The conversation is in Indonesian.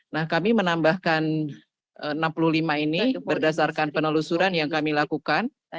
nah kami menambahkan enam puluh lima ini berdasarkan penelusuran yang kami lakukan